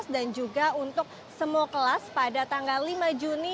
dan juga untuk semua kelas pada tanggal lima juni